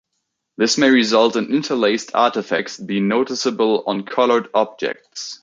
This may result in interlaced artifacts being noticeable on colored objects.